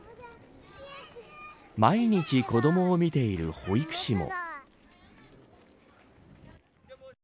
毎日子どもを見ている保育士も。